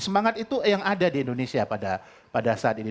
semangat itu yang ada di indonesia pada saat ini